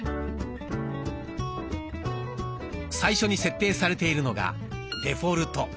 最初に設定されているのが「デフォルト」。